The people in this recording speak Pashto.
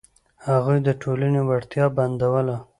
هغوی د ټولنې وړتیا بندوله.